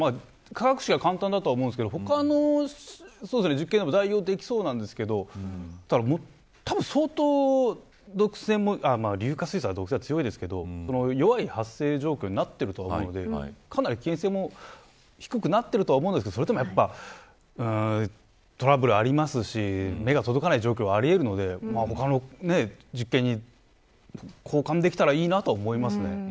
化学式は簡単だと思いますが他の実験でも代用できそうですが硫化水素は毒性が強いですが弱い発生状況になっていると思うので危険性も低くなっていると思いますがそれでもトラブルはありますし目が届かない状況はあり得るので他の実験に交換できたらいいなと思います。